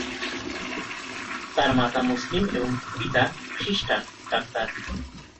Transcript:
তার মাতা মুসলিম এবং পিতা খ্রিস্টান ডাক্তার।